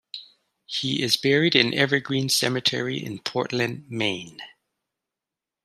He is buried in Evergreen Cemetery in Portland, Maine.